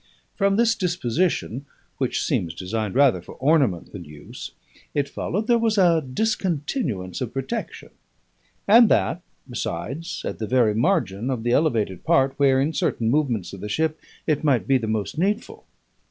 From this disposition, which seems designed rather for ornament than use, it followed there was a discontinuance of protection: and that, besides, at the very margin of the elevated part where (in certain movements of the ship) it might be the most needful.